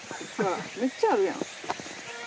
めっちゃあるやん。